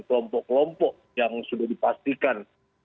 kelompok kelompok yang sudah dipastikan